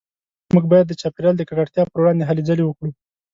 موږ باید د چاپیریال د ککړتیا پروړاندې هلې ځلې وکړو